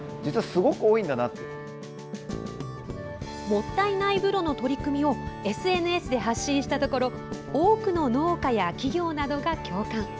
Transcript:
もったいない風呂の取り組みをＳＮＳで発信したところ多くの農家や企業などが共感。